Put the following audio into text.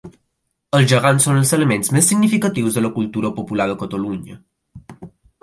Els gegants són els elements més significatius de la cultura popular de Catalunya.